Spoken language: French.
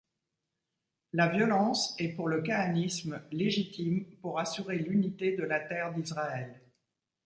La violence est pour le kahanisme légitime pour assurer l'unité de la terre d'Israël.